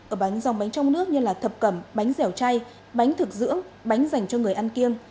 ở bánh dòng bánh trong nước như là thập cẩm bánh dẻo chay bánh thực dưỡng bánh dành cho người ăn kiêng